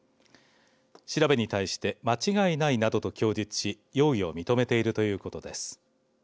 調べに対して間違いないなどと供述し容疑を認めているということです。